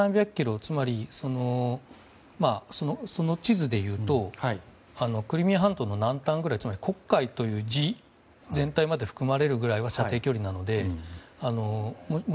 つまり、その地図でいうとクリミア半島の南端ぐらいつまり黒海という字全体が含まれるぐらいは射程距離なので。